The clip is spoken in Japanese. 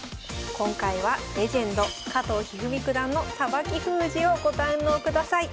今回はレジェンド加藤一二三九段のさばき封じをご堪能ください